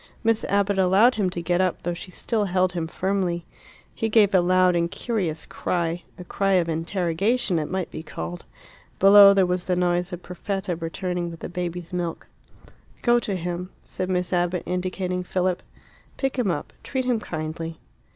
Miss Abbott allowed him to get up, though she still held him firmly. He gave a loud and curious cry a cry of interrogation it might be called. Below there was the noise of Perfetta returning with the baby's milk. "Go to him," said Miss Abbott, indicating Philip. "Pick him up. Treat him kindly."